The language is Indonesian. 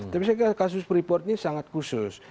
tapi saya kira kasus freeport ini sangat khusus